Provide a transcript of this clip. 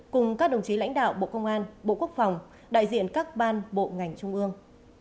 cùng các đồng chí lãnh đạo bộ công an bộ quốc phòng đại diện các ban bộ ngành trung ương